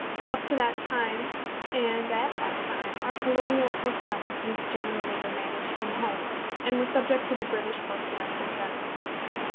Up to that time, and at that time, our Colonial Post Offices generally were managed from home, and were subject to the British Postmaster General.